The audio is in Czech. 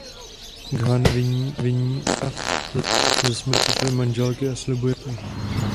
Khan viní Kirka ze smrti své manželky a slibuje mu odplatu.